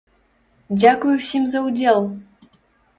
Дзякуй усім за ўдзел!